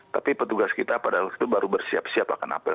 tapi petugas kita pada waktu itu baru bersiap siap akan apel